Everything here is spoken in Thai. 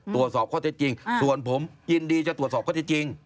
ตรวจสอบเขาจะจริงส่วนผมยินดีจะตรวจสอบเขาจะจริง